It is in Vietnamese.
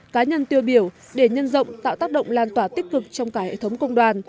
cá nhân tiêu biểu để nhân rộng tạo tác động lan tỏa tích cực trong cả hệ thống công đoàn